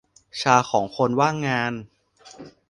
ชาของคนว่างงาน